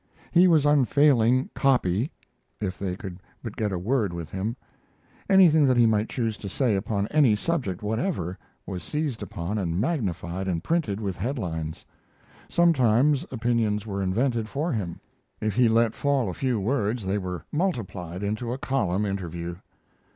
He was unfailing "copy" if they could but get a word with him. Anything that he might choose to say upon any subject whatever was seized upon and magnified and printed with head lines. Sometimes opinions were invented for him. If he let fall a few words they were multiplied into a column interview.